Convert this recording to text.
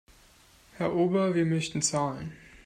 Herr Ober, wir möchten zahlen.